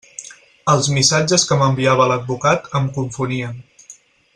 Els missatges que m'enviava l'advocat em confonien.